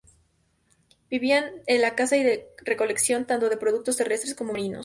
Vivían de la caza y recolección, tanto de productos terrestres como marinos.